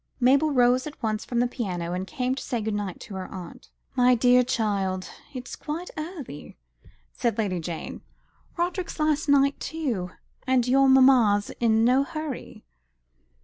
Mabel rose at once from the piano, and came to say good night to her aunt. "My dear child, it's quite early," said Lady Jane; "Roderick's last night, too. And your mamma is in no hurry."